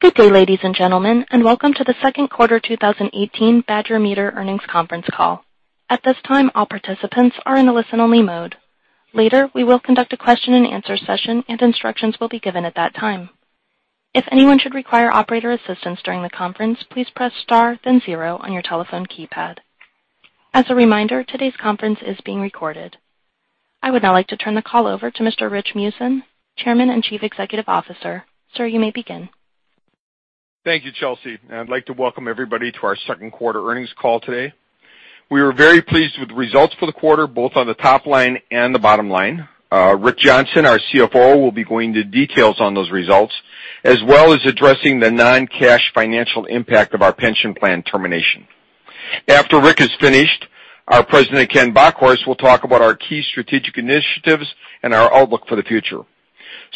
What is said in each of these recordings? Good day, ladies and gentlemen, welcome to the second quarter 2018 Badger Meter Earnings Conference Call. At this time, all participants are in a listen-only mode. Later, we will conduct a question and answer session, and instructions will be given at that time. If anyone should require operator assistance during the conference, please press star then zero on your telephone keypad. As a reminder, today's conference is being recorded. I would now like to turn the call over to Mr. Rich Meeusen, Chairman and Chief Executive Officer. Sir, you may begin. Thank you, Chelsea, I'd like to welcome everybody to our second quarter earnings call today. We were very pleased with the results for the quarter, both on the top line and the bottom line. Rick Johnson, our CFO, will be going into details on those results, as well as addressing the non-cash financial impact of our pension plan termination. After Rick is finished, our President, Ken Bockhorst, will talk about our key strategic initiatives and our outlook for the future.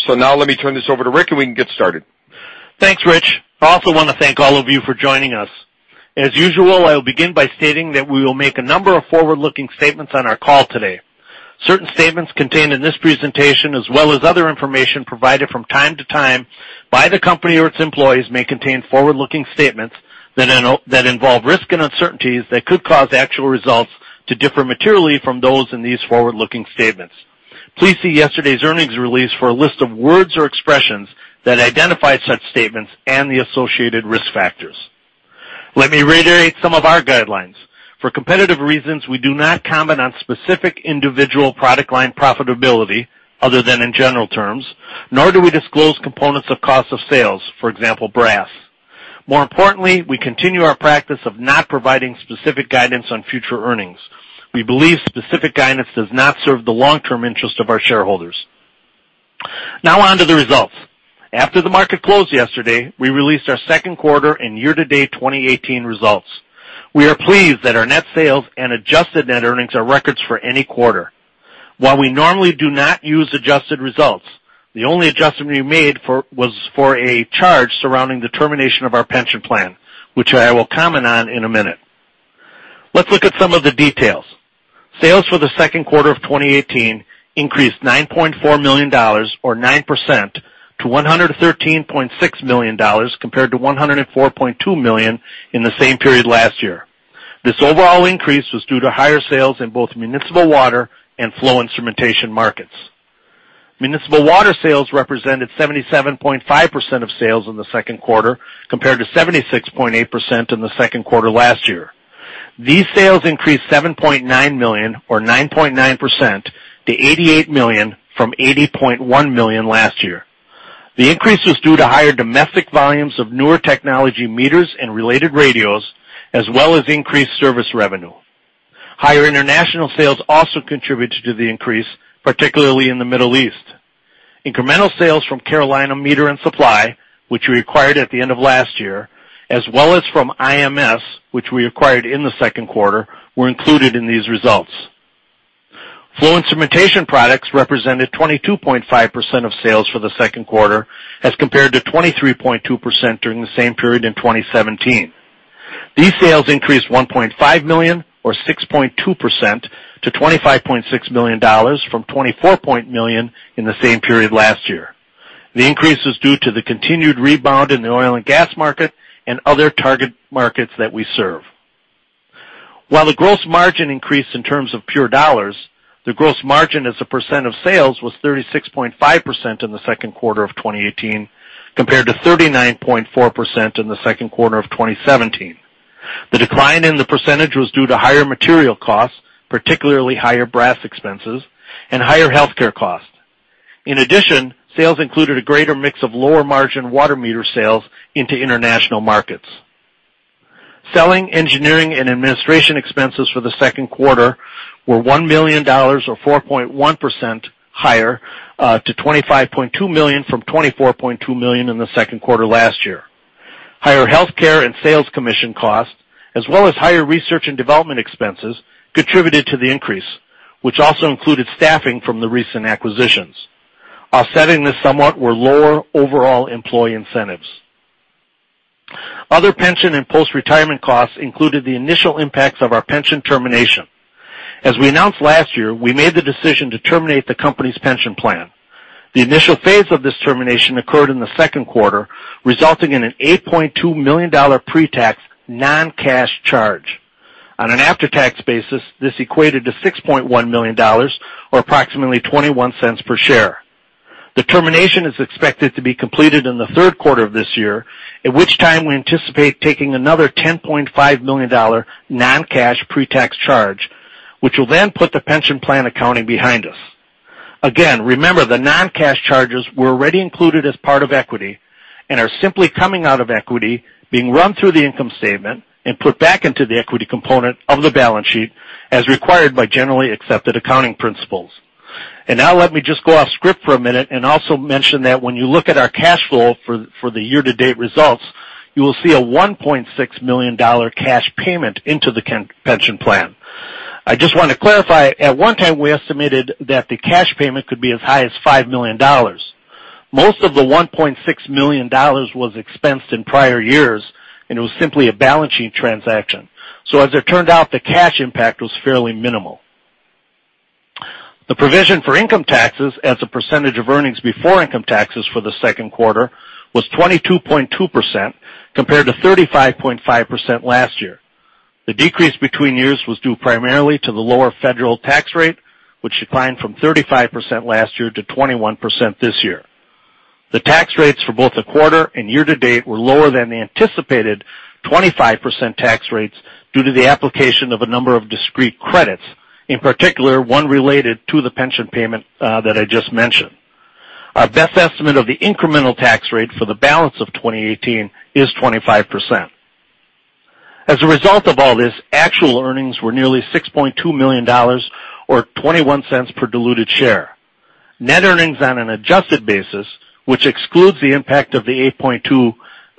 Now let me turn this over to Rick, we can get started. Thanks, Rich. I also want to thank all of you for joining us. As usual, I will begin by stating that we will make a number of forward-looking statements on our call today. Certain statements contained in this presentation, as well as other information provided from time to time by the company or its employees, may contain forward-looking statements that involve risk and uncertainties that could cause actual results to differ materially from those in these forward-looking statements. Please see yesterday's earnings release for a list of words or expressions that identify such statements and the associated risk factors. Let me reiterate some of our guidelines. For competitive reasons, we do not comment on specific individual product line profitability, other than in general terms, nor do we disclose components of cost of sales, for example, brass. More importantly, we continue our practice of not providing specific guidance on future earnings. We believe specific guidance does not serve the long-term interest of our shareholders. On to the results. After the market closed yesterday, we released our second quarter and year-to-date 2018 results. We are pleased that our net sales and adjusted net earnings are records for any quarter. While we normally do not use adjusted results, the only adjustment we made was for a charge surrounding the termination of our pension plan, which I will comment on in a minute. Let's look at some of the details. Sales for the second quarter of 2018 increased $9.4 million, or 9%, to $113.6 million compared to $104.2 million in the same period last year. This overall increase was due to higher sales in both municipal water and flow instrumentation markets. Municipal water sales represented 77.5% of sales in the second quarter, compared to 76.8% in the second quarter last year. These sales increased $7.9 million or 9.9% to $88 million from $80.1 million last year. The increase was due to higher domestic volumes of newer technology meters and related radios, as well as increased service revenue. Higher international sales also contributed to the increase, particularly in the Middle East. Incremental sales from Carolina Meter & Supply, which we acquired at the end of last year, as well as from IMS, which we acquired in the second quarter, were included in these results. Flow instrumentation products represented 22.5% of sales for the second quarter as compared to 23.2% during the same period in 2017. These sales increased $1.5 million or 6.2% to $25.6 million from $24.1 million in the same period last year. The increase is due to the continued rebound in the oil and gas market and other target markets that we serve. While the gross margin increased in terms of pure dollars, the gross margin as a percent of sales was 36.5% in the second quarter of 2018 compared to 39.4% in the second quarter of 2017. The decline in the percentage was due to higher material costs, particularly higher brass expenses and higher healthcare costs. In addition, sales included a greater mix of lower-margin water meter sales into international markets. Selling, engineering, and administration expenses for the second quarter were $1 million, or 4.1%, higher, to $25.2 million from $24.2 million in the second quarter last year. Higher healthcare and sales commission costs, as well as higher research and development expenses, contributed to the increase, which also included staffing from the recent acquisitions. Offsetting this somewhat were lower overall employee incentives. Other pension and post-retirement costs included the initial impacts of our pension termination. As we announced last year, we made the decision to terminate the company's pension plan. The initial phase of this termination occurred in the second quarter, resulting in an $8.2 million pre-tax non-cash charge. On an after-tax basis, this equated to $6.1 million or approximately $0.21 per share. The termination is expected to be completed in the third quarter of this year, at which time we anticipate taking another $10.5 million non-cash pre-tax charge, which will then put the pension plan accounting behind us. Remember the non-cash charges were already included as part of equity and are simply coming out of equity, being run through the income statement, and put back into the equity component of the balance sheet as required by generally accepted accounting principles. Now let me just go off script for a minute and also mention that when you look at our cash flow for the year-to-date results, you will see a $1.6 million cash payment into the pension plan. I just want to clarify, at one time, we estimated that the cash payment could be as high as $5 million. Most of the $1.6 million was expensed in prior years, and it was simply a balance sheet transaction. As it turned out, the cash impact was fairly minimal. The provision for income taxes as a percentage of earnings before income taxes for the second quarter was 22.2%, compared to 35.5% last year. The decrease between years was due primarily to the lower federal tax rate, which declined from 35% last year to 21% this year. The tax rates for both the quarter and year-to-date were lower than the anticipated 25% tax rates due to the application of a number of discrete credits, in particular, one related to the pension payment that I just mentioned. Our best estimate of the incremental tax rate for the balance of 2018 is 25%. As a result of all this, actual earnings were nearly $6.2 million, or $0.21 per diluted share. Net earnings on an adjusted basis, which excludes the impact of the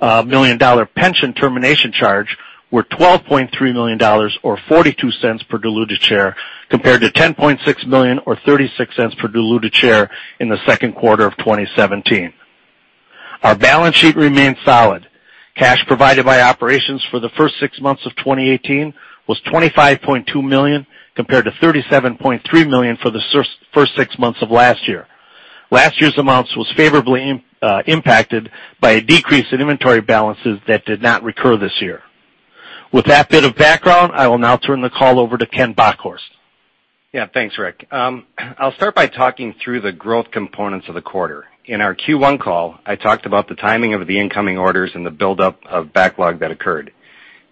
$8.2 million pension termination charge, were $12.3 million or $0.42 per diluted share, compared to $10.6 million or $0.36 per diluted share in the second quarter of 2017. Our balance sheet remains solid. Cash provided by operations for the first six months of 2018 was $25.2 million, compared to $37.3 million for the first six months of last year. Last year's amounts was favorably impacted by a decrease in inventory balances that did not recur this year. With that bit of background, I will now turn the call over to Ken Bockhorst. Thanks, Rick. I'll start by talking through the growth components of the quarter. In our Q1 call, I talked about the timing of the incoming orders and the buildup of backlog that occurred.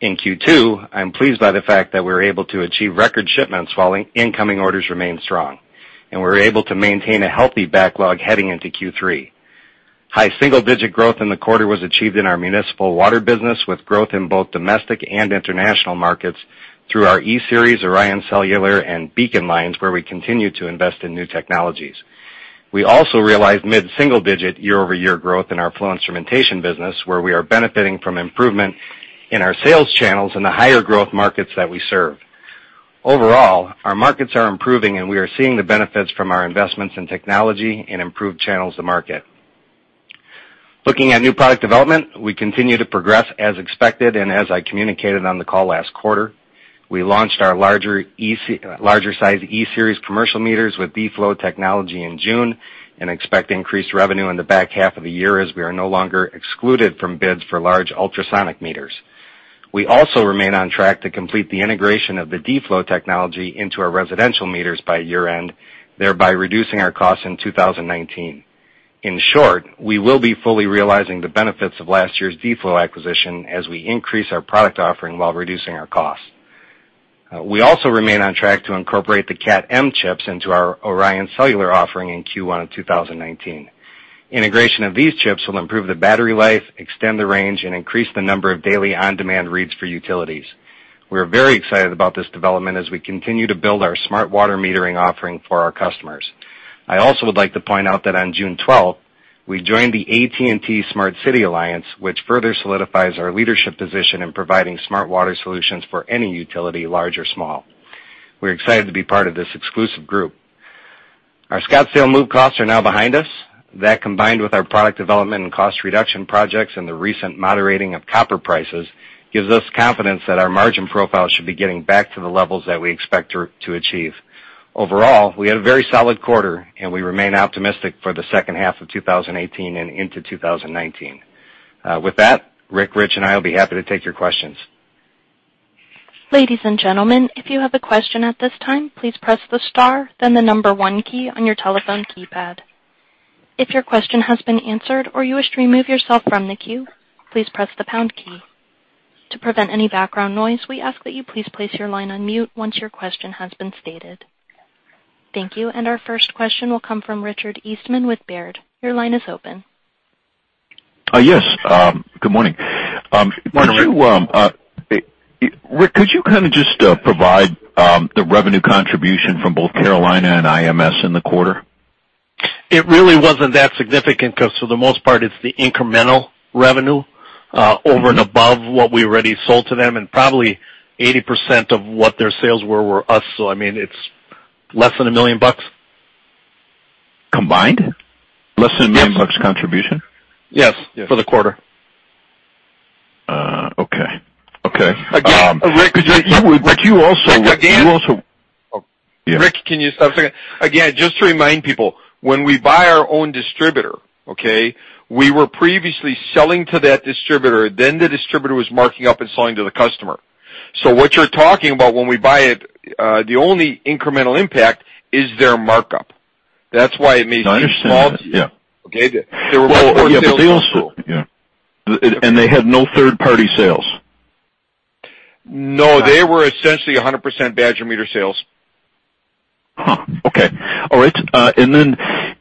In Q2, I'm pleased by the fact that we were able to achieve record shipments while incoming orders remained strong, and we were able to maintain a healthy backlog heading into Q3. High single-digit growth in the quarter was achieved in our municipal water business, with growth in both domestic and international markets through our E-Series, ORION Cellular, and BEACON lines, where we continue to invest in new technologies. We also realized mid-single-digit year-over-year growth in our flow instrumentation business, where we are benefiting from improvement in our sales channels in the higher-growth markets that we serve. Our markets are improving, and we are seeing the benefits from our investments in technology and improved channels to market. Looking at new product development, we continue to progress as expected and as I communicated on the call last quarter. We launched our larger size E-Series commercial meters with D-Flow technology in June and expect increased revenue in the back half of the year as we are no longer excluded from bids for large ultrasonic meters. We also remain on track to complete the integration of the D-Flow technology into our residential meters by year-end, thereby reducing our costs in 2019. In short, we will be fully realizing the benefits of last year's D-Flow acquisition as we increase our product offering while reducing our costs. We also remain on track to incorporate the Cat M chips into our ORION Cellular offering in Q1 of 2019. Integration of these chips will improve the battery life, extend the range, and increase the number of daily on-demand reads for utilities. We're very excited about this development as we continue to build our smart water metering offering for our customers. I also would like to point out that on June 12th, we joined the AT&T Smart City Alliance, which further solidifies our leadership position in providing smart water solutions for any utility, large or small. We're excited to be part of this exclusive group. Our Scottsdale move costs are now behind us. That, combined with our product development and cost reduction projects and the recent moderating of copper prices, gives us confidence that our margin profile should be getting back to the levels that we expect to achieve. Overall, we had a very solid quarter, and we remain optimistic for the second half of 2018 and into 2019. With that, Rick, Rich, and I will be happy to take your questions. Ladies and gentlemen, if you have a question at this time, please press the star, then the number 1 key on your telephone keypad. If your question has been answered or you wish to remove yourself from the queue, please press the pound key. To prevent any background noise, we ask that you please place your line on mute once your question has been stated. Thank you. Our first question will come from Richard Eastman with Baird. Your line is open. Yes. Good morning. Good morning. Rick, could you just provide the revenue contribution from both Carolina and IMS in the quarter? It really wasn't that significant because, for the most part, it's the incremental revenue over and above what we already sold to them, and probably 80% of what their sales were us. So it's less than $1 million. Combined? Less than $1 million contribution? Yes. For the quarter. Okay. Again, Rick- You also- Rick, again. You also Yeah. Rick, can you stop a second? Again, just to remind people, when we buy our own distributor, we were previously selling to that distributor, then the distributor was marking up and selling to the customer. What you're talking about when we buy it, the only incremental impact is their markup. That's why it may seem small to you. No, I understand that. Yeah. Okay? There were no pre-sales whatsoever. They had no third-party sales? No. They were essentially 100% Badger Meter sales. Huh, okay. All right.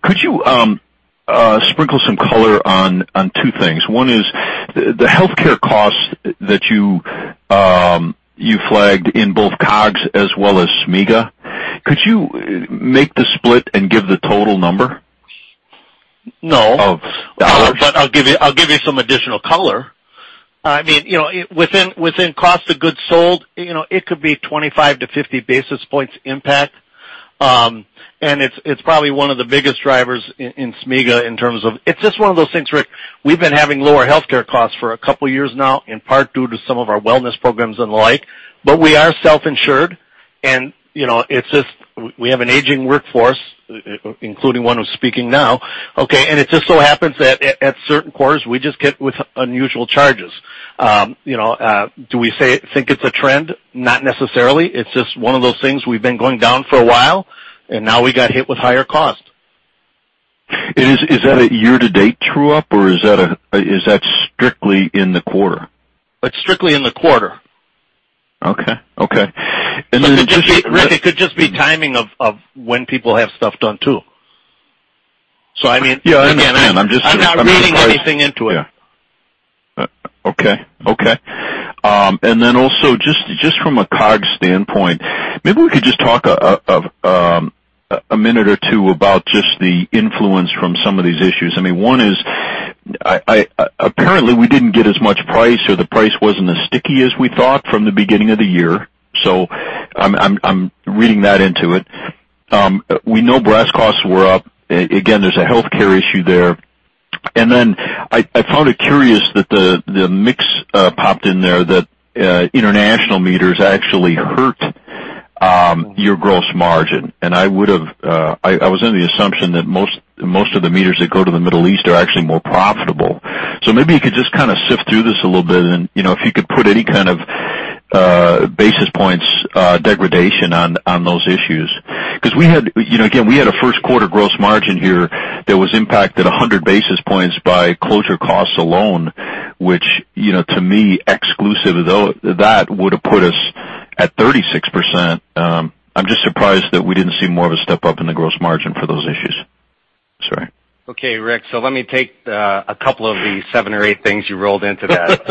Could you sprinkle some color on two things? One is the healthcare costs that you flagged in both COGS as well as SMIGA. Could you make the split and give the total number? No. Of- I'll give you some additional color. Within cost of goods sold, it could be 25 to 50 basis points impact, and it's probably one of the biggest drivers in SMIGA in terms of. It's just one of those things, Rick. We've been having lower healthcare costs for a couple of years now, in part due to some of our wellness programs and the like. We are self-insured, and we have an aging workforce, including one who's speaking now, okay? It just so happens that at certain quarters, we just get hit with unusual charges. Do we think it's a trend? Not necessarily. It's just one of those things, we've been going down for a while, and now we got hit with higher costs. Is that a year-to-date true-up, or is that strictly in the quarter? It's strictly in the quarter. Okay. Rick, it could just be timing of when people have stuff done, too. I mean. Yeah, I understand. I'm not reading anything into it. Okay. Also, just from a cost standpoint, maybe we could just talk a minute or two about just the influence from some of these issues. One is, apparently we didn't get as much price, or the price wasn't as sticky as we thought from the beginning of the year. I'm reading that into it. We know brass costs were up. Again, there's a healthcare issue there. I found it curious that the mix popped in there, that international meters actually hurt your gross margin. I was under the assumption that most of the meters that go to the Middle East are actually more profitable. Maybe you could just kind of sift through this a little bit and if you could put any kind of basis points degradation on those issues. Again, we had a first quarter gross margin here that was impacted 100 basis points by closure costs alone, which, to me, exclusive of that would've put us at 36%. I'm just surprised that we didn't see more of a step-up in the gross margin for those issues. Sorry. Okay, Rick, let me take a couple of the seven or eight things you rolled into that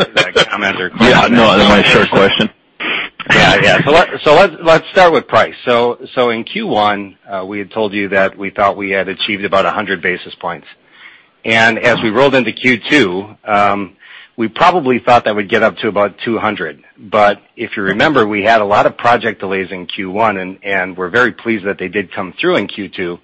comment or question. no, my short question. Let's start with price. In Q1, we had told you that we thought we had achieved about 100 basis points. As we rolled into Q2, we probably thought that we'd get up to about 200. If you remember, we had a lot of project delays in Q1, and we're very pleased that they did come through in Q2,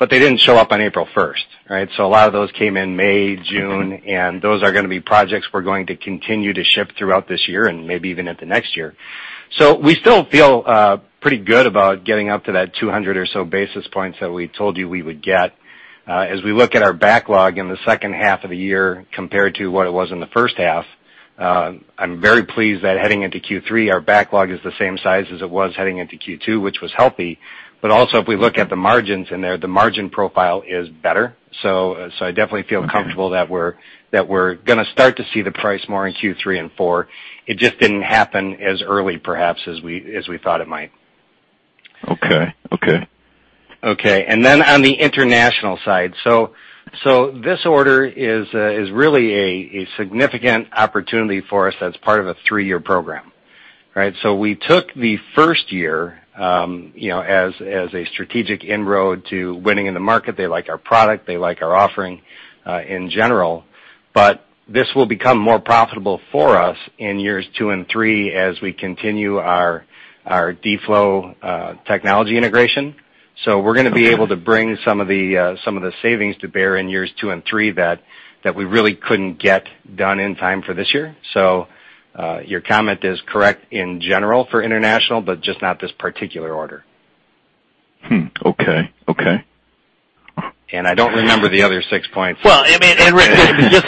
but they didn't show up on April 1st. Right? A lot of those came in May, June, and those are going to be projects we're going to continue to ship throughout this year and maybe even into next year. We still feel pretty good about getting up to that 200 or so basis points that we told you we would get. As we look at our backlog in the second half of the year compared to what it was in the first half, I'm very pleased that heading into Q3, our backlog is the same size as it was heading into Q2, which was healthy. Also, if we look at the margins in there, the margin profile is better. I definitely feel comfortable that we're going to start to see the price more in Q3 and 4. It just didn't happen as early perhaps as we thought it might. Okay. Okay. On the international side. This order is really a significant opportunity for us that's part of a three-year program. Right? We took the first year as a strategic inroad to winning in the market. They like our product, they like our offering in general, but this will become more profitable for us in years 2 and 3 as we continue our D-Flow technology integration. We're going to be able to bring some of the savings to bear in years 2 and 3 that we really couldn't get done in time for this year. Your comment is correct in general for international, but just not this particular order. Okay. I don't remember the other six points. Well, Rick,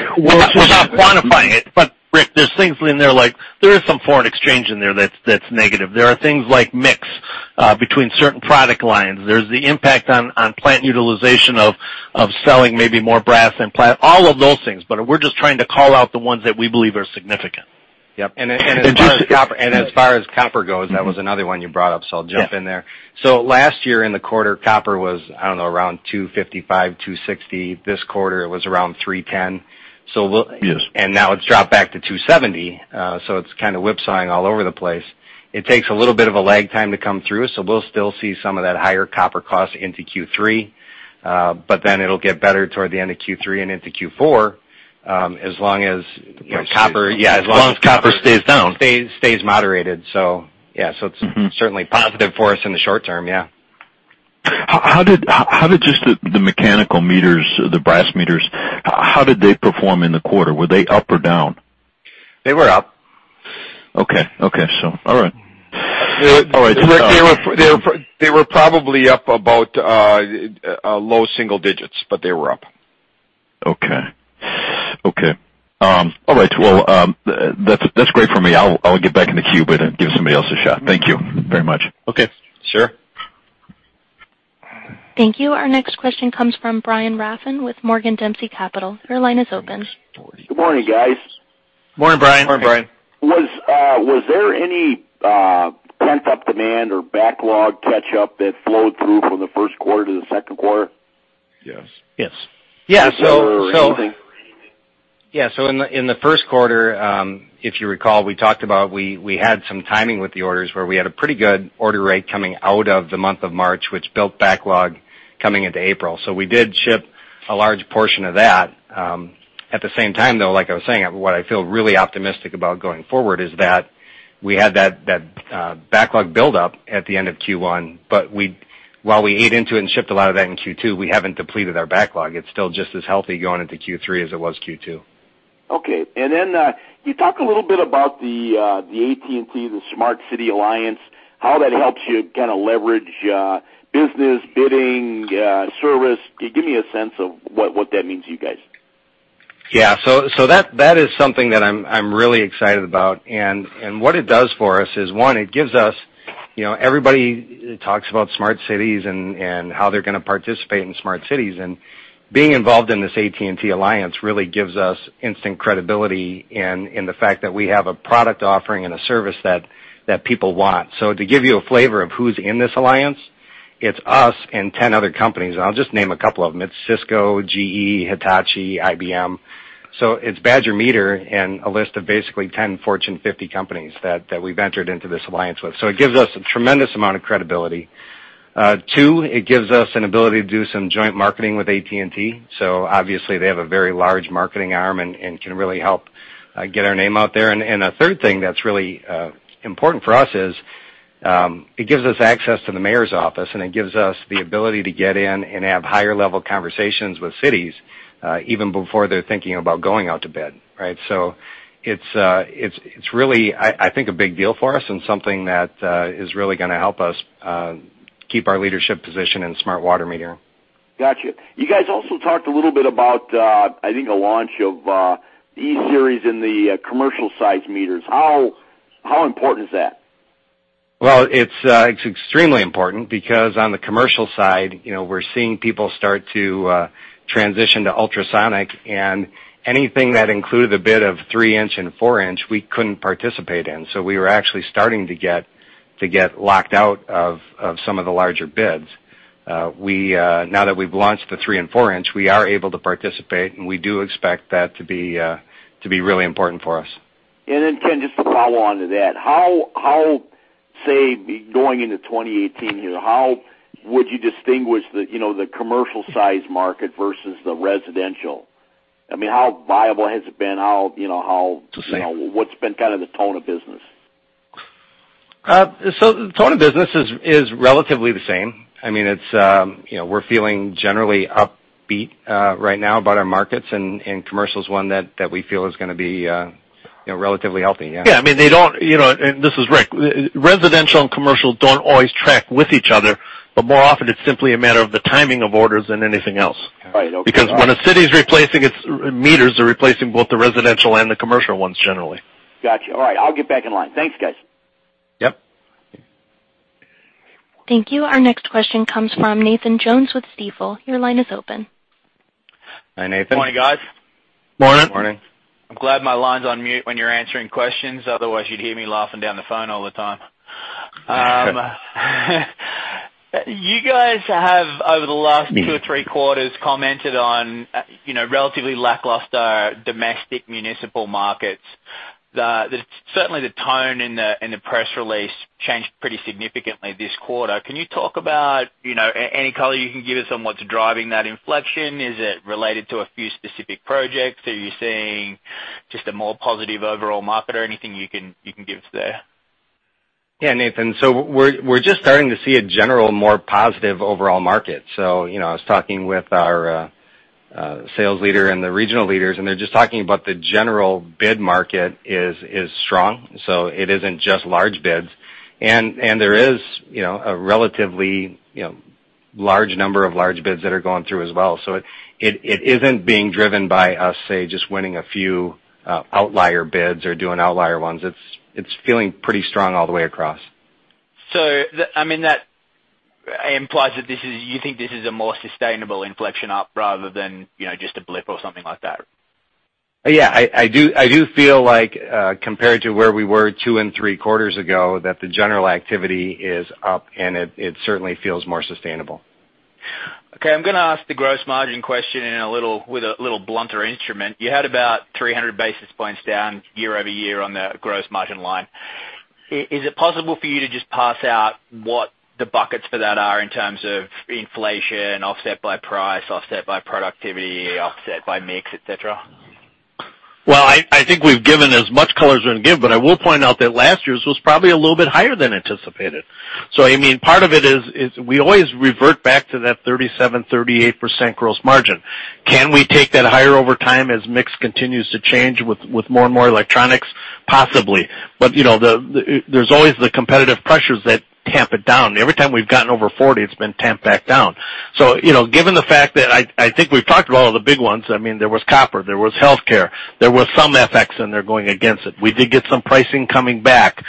we're not quantifying it, Rick, there's things in there like, there is some foreign exchange in there that's negative. There are things like mix between certain product lines. There's the impact on plant utilization of selling maybe more brass than plant, all of those things. We're just trying to call out the ones that we believe are significant. Yep. As far as copper goes, that was another one you brought up, I'll jump in there. Last year in the quarter, copper was, I don't know, around $255, $260. This quarter it was around $310. Yes. Now it's dropped back to $270, it's kind of whipsawing all over the place. It takes a little bit of a lag time to come through, we'll still see some of that higher copper cost into Q3. It'll get better toward the end of Q3 and into Q4, as long as. The price stays down. Yeah, as long as- As long as copper stays down copper stays moderated. Yeah, so it's certainly positive for us in the short term, yeah. How did just the mechanical meters, the brass meters, how did they perform in the quarter? Were they up or down? They were up. Okay. All right. Rick, they were probably up about low single digits, but they were up. Okay. All right. Well, that's great for me. I'll get back in the queue but give somebody else a shot. Thank you very much. Okay, sure. Thank you. Our next question comes from Brian Rafn with Morgan Dempsey Capital. Your line is open. Good morning, guys. Morning, Brian. Morning, Brian. Was there any pent-up demand or backlog catch-up that flowed through from the first quarter to the second quarter? Yes. Yes. In the first quarter, if you recall, we talked about we had some timing with the orders where we had a pretty good order rate coming out of the month of March, which built backlog coming into April. We did ship a large portion of that. At the same time, though, like I was saying, what I feel really optimistic about going forward is that We had that backlog buildup at the end of Q1, but while we ate into it and shipped a lot of that in Q2, we haven't depleted our backlog. It's still just as healthy going into Q3 as it was Q2. Okay. Then can you talk a little bit about the AT&T Smart City Alliance, how that helps you leverage business bidding service? Give me a sense of what that means to you guys. Yeah. That is something that I'm really excited about. What it does for us is, one, everybody talks about smart cities and how they're going to participate in smart cities. Being involved in this AT&T alliance really gives us instant credibility in the fact that we have a product offering and a service that people want. To give you a flavor of who's in this alliance, it's us and 10 other companies, and I'll just name a couple of them. It's Cisco, GE, Hitachi, IBM. It's Badger Meter and a list of basically 10 Fortune 50 companies that we've entered into this alliance with. It gives us a tremendous amount of credibility. Two, it gives us an ability to do some joint marketing with AT&T. Obviously they have a very large marketing arm and can really help get our name out there. A third thing that's really important for us is it gives us access to the mayor's office, and it gives us the ability to get in and have higher-level conversations with cities, even before they're thinking about going out to bid. Right? It's really, I think, a big deal for us and something that is really going to help us keep our leadership position in smart water metering. Got you. You guys also talked a little bit about, I think, a launch of E-Series in the commercial-size meters. How important is that? It's extremely important because on the commercial side, we're seeing people start to transition to ultrasonic, anything that included a bid of three-inch and four-inch, we couldn't participate in. We were actually starting to get locked out of some of the larger bids. Now that we've launched the three and four-inch, we are able to participate, and we do expect that to be really important for us. Ken, just to follow on to that, say, going into 2018 here, how would you distinguish the commercial size market versus the residential? How viable has it been? The same. What's been the tone of business? The tone of business is relatively the same. We're feeling generally upbeat right now about our markets, and commercial is one that we feel is going to be relatively healthy, yeah. Yeah. This is Rick. Residential and commercial don't always track with each other, but more often it's simply a matter of the timing of orders than anything else. Right. Okay. When a city is replacing its meters, they're replacing both the residential and the commercial ones generally. Got you. All right. I'll get back in line. Thanks, guys. Yep. Thank you. Our next question comes from Nathan Jones with Stifel. Your line is open. Hi, Nathan. Good morning, guys. Morning. Morning. I'm glad my line's on mute when you're answering questions. Otherwise, you'd hear me laughing down the phone all the time. You guys have, over the last two or three quarters, commented on relatively lackluster domestic municipal markets. Certainly, the tone in the press release changed pretty significantly this quarter. Can you talk about any color you can give us on what's driving that inflection? Is it related to a few specific projects? Are you seeing just a more positive overall market or anything you can give there? Nathan. We're just starting to see a general, more positive overall market. I was talking with our sales leader and the regional leaders, and they're just talking about the general bid market is strong. It isn't just large bids. There is a relatively large number of large bids that are going through as well. It isn't being driven by us, say, just winning a few outlier bids or doing outlier ones. It's feeling pretty strong all the way across. That implies that you think this is a more sustainable inflection up rather than just a blip or something like that. I do feel like, compared to where we were two and three quarters ago, that the general activity is up, and it certainly feels more sustainable. Okay. I'm going to ask the gross margin question with a little blunter instrument. You had about 300 basis points down year-over-year on the gross margin line. Is it possible for you to just parse out what the buckets for that are in terms of inflation offset by price, offset by productivity, offset by mix, et cetera? I think we've given as much color as we're going to give, but I will point out that last year's was probably a little bit higher than anticipated. Part of it is we always revert back to that 37%-38% gross margin. Can we take that higher over time as mix continues to change with more and more electronics? Possibly. There's always the competitive pressures that tamp it down. Every time we've gotten over 40, it's been tamped back down. Given the fact that I think we've talked about all the big ones, there was copper, there was healthcare, there was some FX in there going against it. We did get some pricing coming back.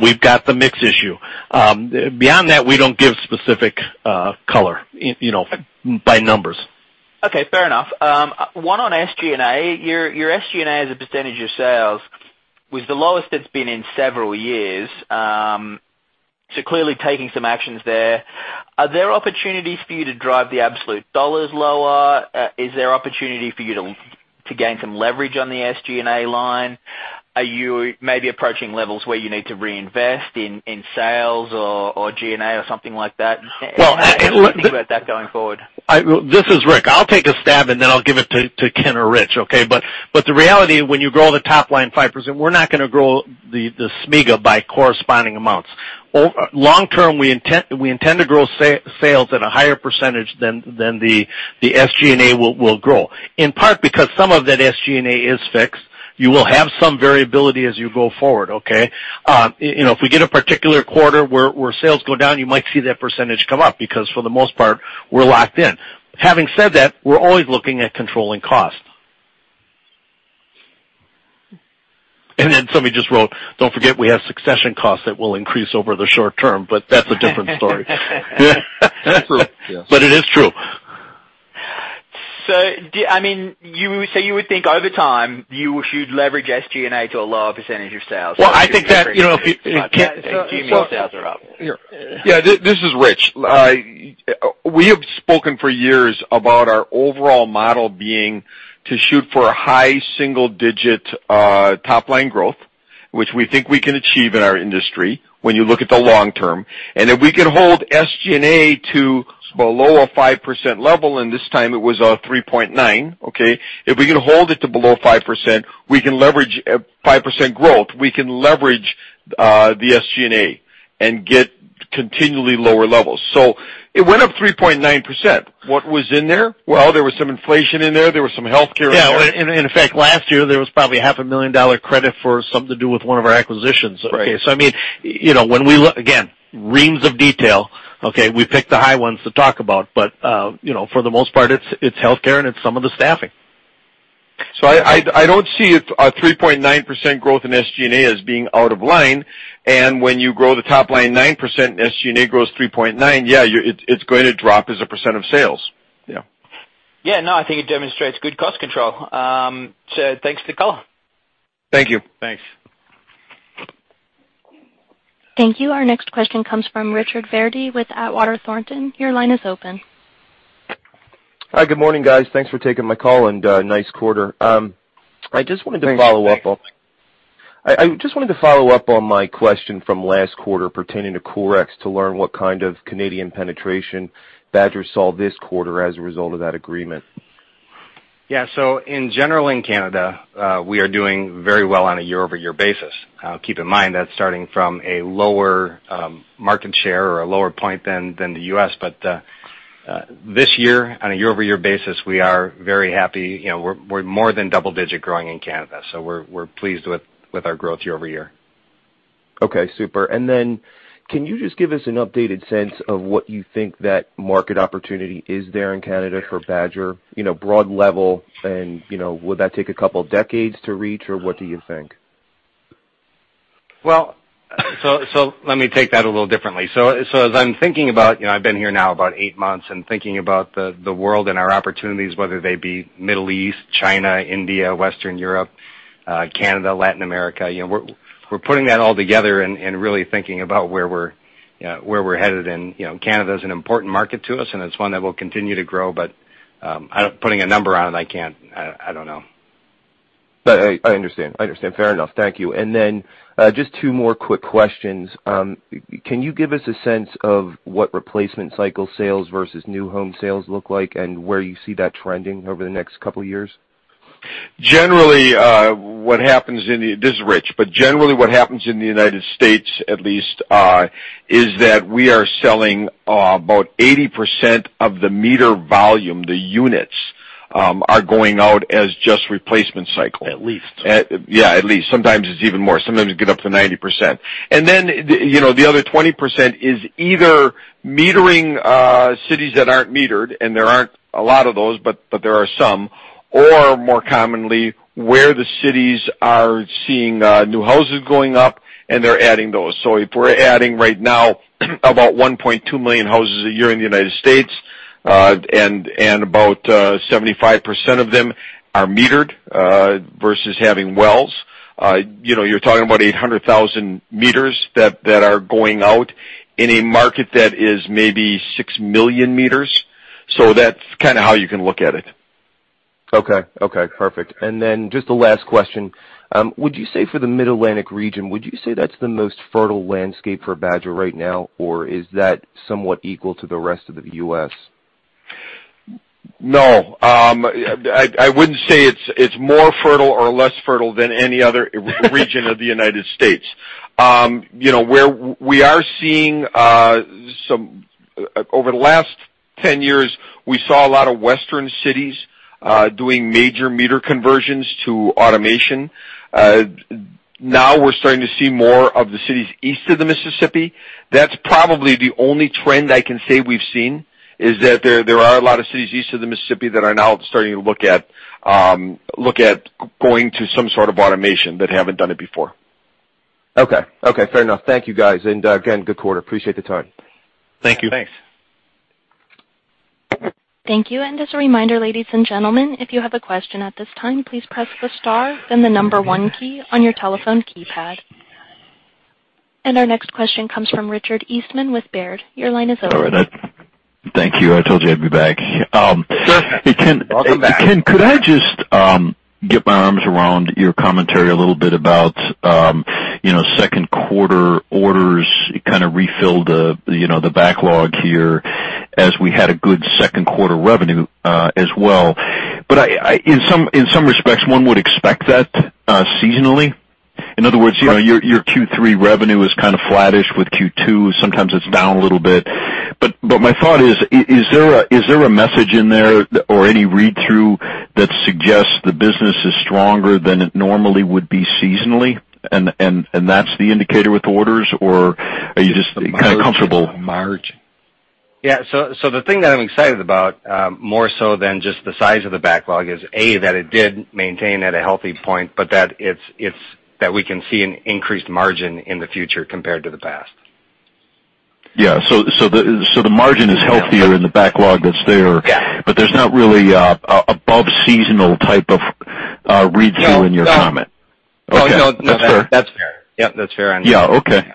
We've got the mix issue. Beyond that, we don't give specific color by numbers. Okay, fair enough. One on SG&A. Your SG&A as a % of sales was the lowest it's been in several years. Clearly taking some actions there. Are there opportunities for you to drive the absolute dollars lower? Is there opportunity for you to gain some leverage on the SG&A line? Are you maybe approaching levels where you need to reinvest in sales or G&A or something like that? Anything about that going forward? This is Rick. I'll take a stab, and then I'll give it to Ken or Rich, okay? The reality, when you grow the top line 5%, we're not going to grow the SEVA by corresponding amounts. Long term, we intend to grow sales at a higher percentage than the SG&A will grow. In part because some of that SG&A is fixed, you will have some variability as you go forward. If we get a particular quarter where sales go down, you might see that percentage come up because for the most part, we're locked in. Having said that, we're always looking at controlling cost. Somebody just wrote, "Don't forget we have succession costs that will increase over the short term," but that's a different story. That's true, yes. It is true. You would think over time, you'd leverage SG&A to a lower percentage of sales. Well, I think that GM sales are up. Yeah. This is Rich. We have spoken for years about our overall model being to shoot for a high single-digit top-line growth, which we think we can achieve in our industry when you look at the long term. If we could hold SG&A to below a 5% level, this time it was 3.9%. If we can hold it to below 5% growth, we can leverage the SG&A and get continually lower levels. It went up 3.9%. What was in there? Well, there was some inflation in there. There was some healthcare in there. Yeah. In fact, last year, there was probably a half a million dollar credit for something to do with one of our acquisitions. Right. I mean, again, reams of detail. We pick the high ones to talk about. For the most part, it's healthcare and it's some of the staffing. I don't see a 3.9% growth in SG&A as being out of line. When you grow the top line 9%, and SG&A grows 3.9%, yeah, it's going to drop as a % of sales. Yeah. No, I think it demonstrates good cost control. Thanks for the call. Thank you. Thanks. Thank you. Our next question comes from Richard Verdi with Atwater Thornton. Your line is open. Hi. Good morning, guys. Thanks for taking my call, and nice quarter. Thanks. I just wanted to follow up on my question from last quarter pertaining to Corix to learn what kind of Canadian penetration Badger saw this quarter as a result of that agreement. Yeah. In general in Canada, we are doing very well on a year-over-year basis. Keep in mind that's starting from a lower market share or a lower point than the U.S. This year, on a year-over-year basis, we are very happy. We're more than double-digit growing in Canada, so we're pleased with our growth year-over-year. Okay, super. Can you just give us an updated sense of what you think that market opportunity is there in Canada for Badger, broad level, and would that take a couple decades to reach, or what do you think? Let me take that a little differently. As I'm thinking about, I've been here now about eight months and thinking about the world and our opportunities, whether they be Middle East, China, India, Western Europe, Canada, Latin America. We're putting that all together and really thinking about where we're headed. Canada's an important market to us, it's one that will continue to grow, but putting a number on it, I can't. I don't know. I understand. Fair enough. Thank you. Just two more quick questions. Can you give us a sense of what replacement cycle sales versus new home sales look like and where you see that trending over the next couple of years? This is Rich. Generally what happens in the U.S., at least, is that we are selling about 80% of the meter volume. The units are going out as just replacement cycle. At least. Yeah, at least. Sometimes it's even more. Sometimes you get up to 90%. The other 20% is either metering cities that aren't metered, and there aren't a lot of those, but there are some. More commonly, where the cities are seeing new houses going up, and they're adding those. If we're adding right now about 1.2 million houses a year in the United States, and about 75% of them are metered versus having wells, you're talking about 800,000 meters that are going out in a market that is maybe 6 million meters. That's kind of how you can look at it. Okay. Perfect. Just the last question. Would you say for the Mid-Atlantic region, would you say that's the most fertile landscape for Badger right now, or is that somewhat equal to the rest of the U.S.? No. I wouldn't say it's more fertile or less fertile than any other region of the United States. Over the last 10 years, we saw a lot of western cities doing major meter conversions to automation. Now we're starting to see more of the cities east of the Mississippi. That's probably the only trend I can say we've seen, is that there are a lot of cities east of the Mississippi that are now starting to look at going to some sort of automation that haven't done it before. Okay. Fair enough. Thank you guys. Again, good quarter. Appreciate the time. Thank you. Thanks. Thank you. As a reminder, ladies and gentlemen, if you have a question at this time, please press the star, then the number one key on your telephone keypad. Our next question comes from Richard Eastman with Baird. Your line is open. All right. Thank you. I told you I'd be back. Sure. Welcome back. Ken, could I just get my arms around your commentary a little bit about second quarter orders kind of refilled the backlog here as we had a good second quarter revenue as well. In some respects, one would expect that seasonally. In other words- Yeah your Q3 revenue is kind of flattish with Q2. Sometimes it's down a little bit. My thought is: Is there a message in there or any read-through that suggests the business is stronger than it normally would be seasonally, and that's the indicator with orders? Or are you just kind of comfortable? The thing that I'm excited about, more so than just the size of the backlog, is, A, that it did maintain at a healthy point, but that we can see an increased margin in the future compared to the past. Yeah. the margin is healthier- Yeah in the backlog that's there. Yeah. there's not really above seasonal type of read-through- No in your comment. No. Okay. That's fair. That's fair. Yep, that's fair. I know. Yeah. Okay.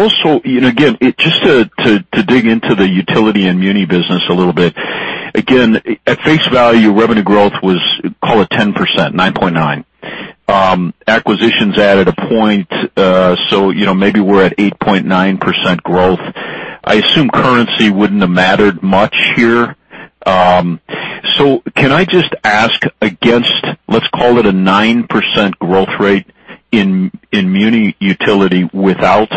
Also, again, just to dig into the utility and muni business a little bit. Again, at face value, revenue growth was, call it, 10%, 9.9%. Acquisitions added a point, maybe we're at 8.9% growth. I assume currency wouldn't have mattered much here. Can I just ask against, let's call it, a 9% growth rate in muni utility without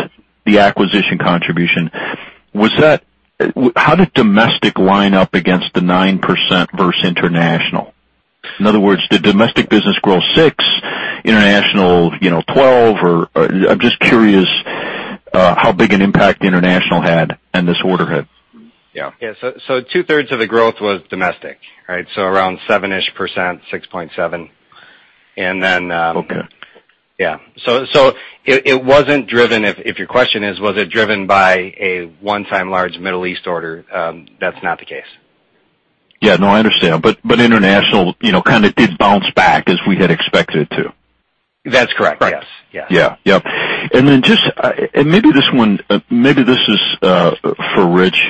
the acquisition contribution. How did domestic line up against the 9% versus international? In other words, did domestic business grow 6%, international 12%? I'm just curious how big an impact international had in this order hit. Yeah. Two-thirds of the growth was domestic. Around seven-ish percent, 6.7%. Okay Yeah. It wasn't driven, if your question is, was it driven by a one-time large Middle East order? That's not the case. Yeah, no, I understand. International kind of did bounce back as we had expected it to. That's correct. Yes. Yeah. Maybe this is for Rich,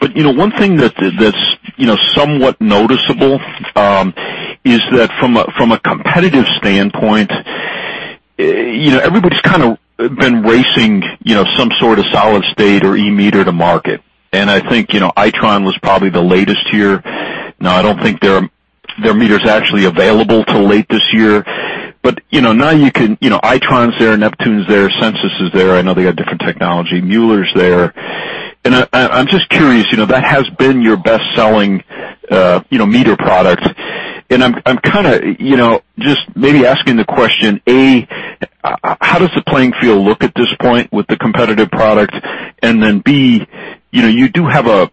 but one thing that's somewhat noticeable is that from a competitive standpoint, everybody's kind of been racing some sort of solid-state or e-meter to market. I think Itron was probably the latest here. Now, I don't think their meter's actually available till late this year, but Itron's there, Neptune's there, Sensus is there. I know they got different technology. Mueller's there. I'm just curious, that has been your best-selling meter product. I'm kind of just maybe asking the question, A. How does the playing field look at this point with the competitive products? Then, B. You do have a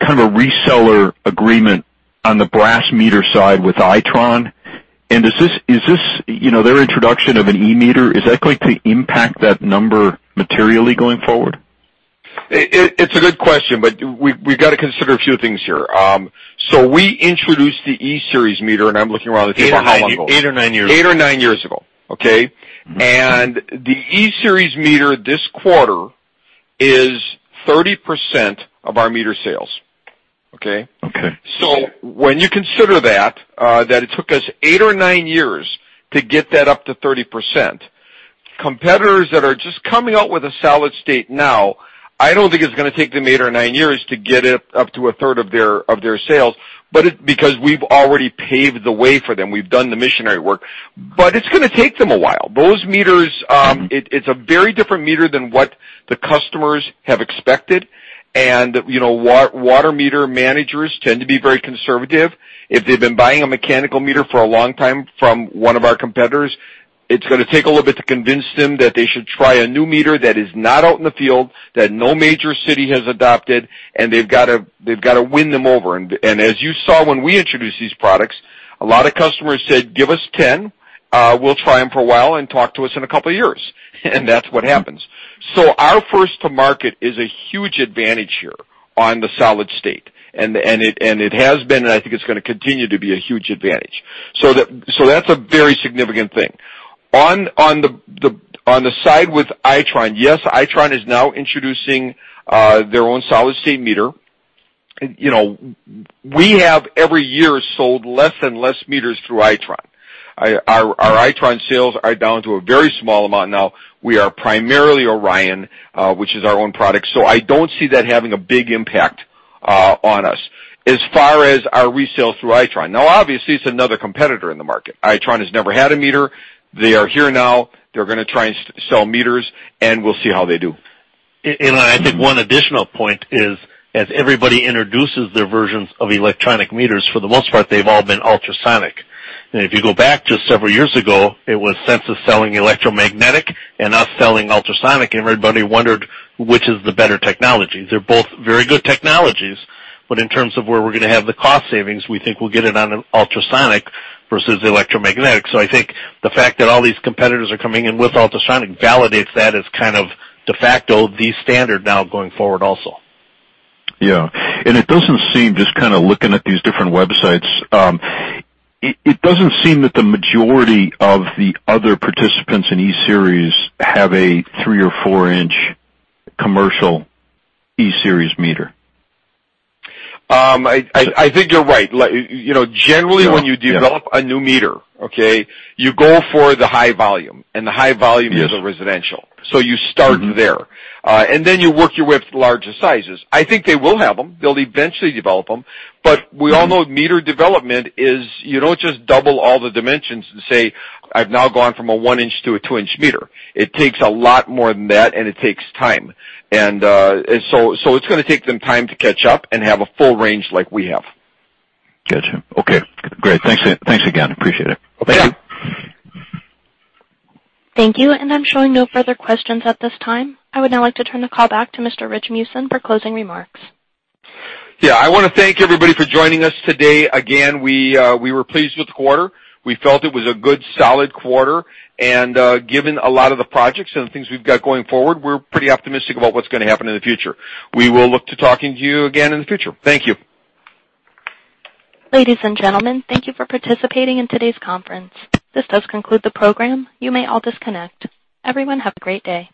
kind of a reseller agreement on the brass meter side with Itron. Their introduction of an e-meter, is that going to impact that number materially going forward? It's a good question. We've got to consider a few things here. We introduced the E-Series meter. I'm looking around the table. How long ago? Eight or nine years. Eight or nine years ago. Okay. The E-Series meter this quarter is 30% of our meter sales. Okay? Okay. When you consider that, it took us eight or nine years to get that up to 30%, competitors that are just coming out with a solid-state now, I don't think it's going to take them eight or nine years to get it up to a third of their sales, because we've already paved the way for them. We've done the missionary work. It's going to take them a while. Those meters- It's a very different meter than what the customers have expected, and water meter managers tend to be very conservative. If they've been buying a mechanical meter for a long time from one of our competitors, it's going to take a little bit to convince them that they should try a new meter that is not out in the field, that no major city has adopted, and they've got to win them over. As you saw when we introduced these products, a lot of customers said, "Give us 10. We'll try them for a while and talk to us in a couple of years." That's what happens. Our first to market is a huge advantage here on the solid-state. It has been, and I think it's going to continue to be a huge advantage. That's a very significant thing. On the side with Itron, yes, Itron is now introducing their own solid-state meter. We have, every year, sold less and less meters through Itron. Our Itron sales are down to a very small amount now. We are primarily ORION, which is our own product. I don't see that having a big impact on us as far as our resale through Itron. Obviously, it's another competitor in the market. Itron has never had a meter. They are here now. They're going to try and sell meters, and we'll see how they do. I think one additional point is, as everybody introduces their versions of electronic meters, for the most part, they've all been ultrasonic. If you go back just several years ago, it was Sensus selling electromagnetic and us selling ultrasonic, and everybody wondered which is the better technology. They're both very good technologies, but in terms of where we're going to have the cost savings, we think we'll get it on an ultrasonic versus the electromagnetic. I think the fact that all these competitors are coming in with ultrasonic validates that as kind of de facto the standard now going forward also. Yeah. It doesn't seem, just kind of looking at these different websites, it doesn't seem that the majority of the other participants in E-Series have a three or four-inch commercial E-Series meter. I think you're right. Yeah. Generally, when you develop a new meter, you go for the high volume, and the high volume. Yes Is a residential. You start there. You work your way up to larger sizes. I think they will have them. They'll eventually develop them. We all know meter development is, you don't just double all the dimensions and say, "I've now gone from a one-inch to a two-inch meter." It takes a lot more than that, and it takes time. It's going to take them time to catch up and have a full range like we have. Got you. Okay, great. Thanks again. Appreciate it. Thank you. Thank you. Thank you, and I'm showing no further questions at this time. I would now like to turn the call back to Mr. Rich Meeusen for closing remarks. Yeah, I want to thank everybody for joining us today. Again, we were pleased with the quarter. We felt it was a good, solid quarter. Given a lot of the projects and things we've got going forward, we're pretty optimistic about what's going to happen in the future. We will look to talking to you again in the future. Thank you. Ladies and gentlemen, thank you for participating in today's conference. This does conclude the program. You may all disconnect. Everyone, have a great day.